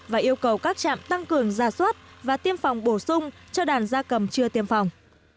và yêu cầu các trạm tăng cường gia soát và tiêm phòng bổ sung cho đàn gia cầm chưa tiêm phòng